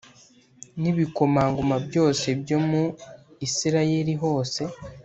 “n’ibikomangoma byose byo mu isirayeli hose”